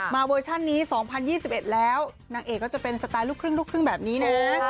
มาเวอร์ชันนี้๒๐๒๑แล้วนางเอกก็จะเป็นสไตล์ลูกครึ่งแบบนี้เนี่ย